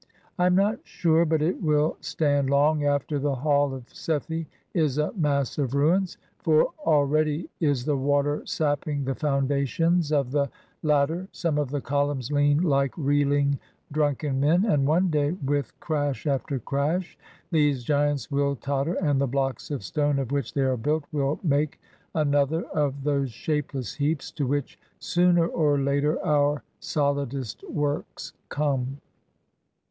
I am not sure but it will stand long after the Hall of Sethi is a mass of ruins ; for already is the water sapping the foundations of the lat ter, some of the columns lean Uke reeling dnmken men, and one day, with crash after crash, these giants will totter, and the blocks of stone of which they are built will make another of those shapeless heaps to which sooner or later our solidest works come.